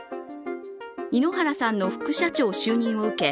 井ノ原さんの副社長就任を受け